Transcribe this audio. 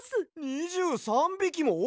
２３びきも！？